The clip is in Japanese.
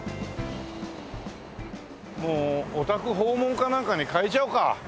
もうお宅訪問かなんかに変えちゃうか。